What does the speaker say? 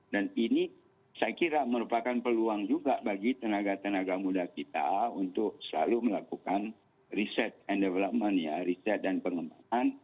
dan ini saya kira merupakan peluang juga bagi tenaga tenaga muda kita untuk selalu melakukan research and development ya